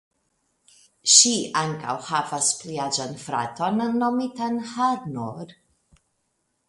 Ŝi ankaŭ havas pli aĝan fraton nomitan Harnoor.